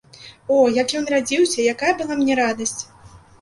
О, як ён радзіўся, якая была мне радасць!